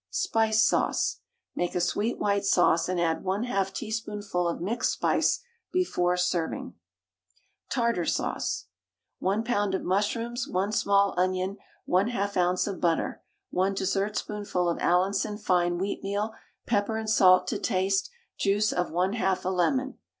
SPICE SAUCE. Make a sweet white sauce, and add 1/2 teaspoonful of mixed spice before serving. TARTARE SAUCE. 1 lb. of mushrooms, 1 small onion, 1/2 oz. of butter, 1 dessertspoonful of Allinson fine wheatmeal, pepper and salt to taste, juice of 1/2 a lemon.